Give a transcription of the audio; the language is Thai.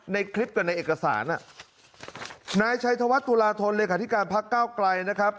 ในคลิปกับในเอกสารอ่ะนายชัยธวัฒนตุลาธนเลขาธิการพักเก้าไกลนะครับ